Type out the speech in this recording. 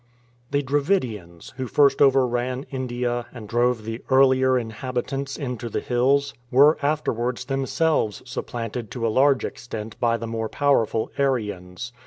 The Dravidians, who first overran India and drove the earlier inhabitants into the hills, were afterwards them selves supplanted to a large extent by the more powerful Aryans.